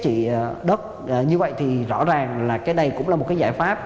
thì đất như vậy thì rõ ràng là cái này cũng là một cái giải pháp